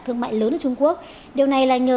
thương mại lớn ở trung quốc điều này là nhờ